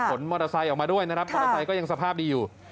มอเตอร์ไซค์ออกมาด้วยนะครับมอเตอร์ไซค์ก็ยังสภาพดีอยู่